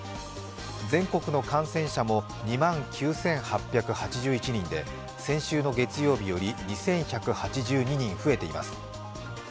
全国の感染者も２万９８８１人で、先週の月曜日より２１８２人増えています。